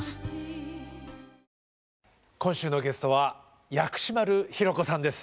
今週のゲストは薬師丸ひろ子さんです。